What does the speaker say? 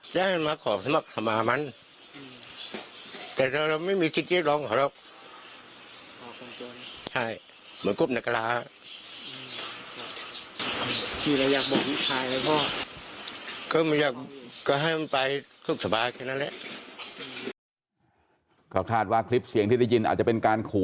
จะให้มาขอบสมัครมามันแต่เราไม่มีสิทธิ์ร้องเขาหรอก